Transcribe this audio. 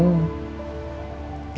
ga usah kita bahas lagi